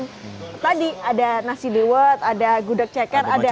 dan tadi ada nasi diwet ada gudeg ceker ada